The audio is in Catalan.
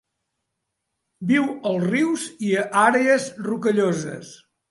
Viu als rius i a àrees rocalloses.